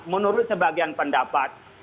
menurut sebagian pendapat